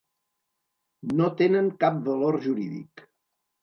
No tenen cap valor jurídic.